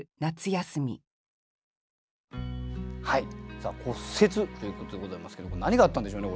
さあ「骨折」ということでございますけど何があったんでしょうね